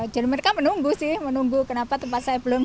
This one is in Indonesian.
jadi mereka menunggu sih menunggu kenapa tempat saya belum